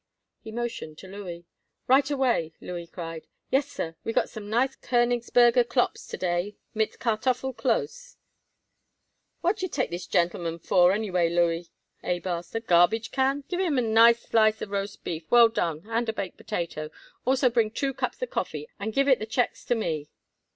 He motioned to Louis. "Right away!" Louis cried. "Yes, sir, we got some nice Koenigsberger Klops to day mit Kartoffel Kloes." "What d'ye take this gentleman for, anyway, Louis?" Abe asked. "A garbage can? Give him a nice slice of roast beef well done and a baked potato. Also bring two cups of coffee and give it the checks to me."